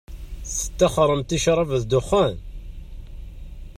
Tettaxxṛemt i ccṛab d dexxan?